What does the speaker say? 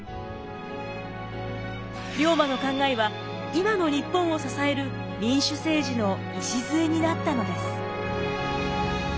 龍馬の考えは今の日本を支える民主政治の礎になったのです。